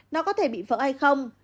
nó có thể bị vỡ hay không